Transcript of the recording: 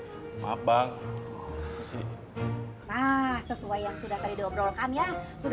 sudah tahu tugas masing masing ya